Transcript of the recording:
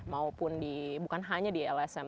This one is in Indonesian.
maupun di bukan hanya di lsm